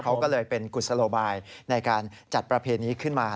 เขาก็เลยเป็นกุศโลบายในการจัดประเพณีขึ้นมา